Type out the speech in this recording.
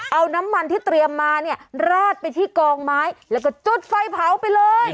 เอาน้ำมันที่เตรียมมาเนี่ยราดไปที่กองไม้แล้วก็จุดไฟเผาไปเลย